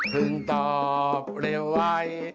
เพิ่งตอบเร็วไว้